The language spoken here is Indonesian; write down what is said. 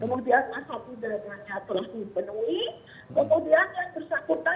kemudian masa pindahannya telah dipenuhi kemudian yang bersyakutan